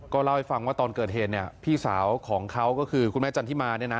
ก็เล่าให้ฟังว่าตอนเกิดเหตุพี่สาวของเขาคือคุณแม่จันทิมา